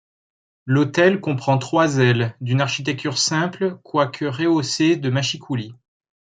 L'hôtel comprend trois ailes, d'une architecture simple quoique rehaussée de mâchicoulis.